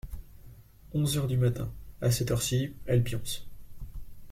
Onze heures du matin, à cette heure-ci, elle pionce…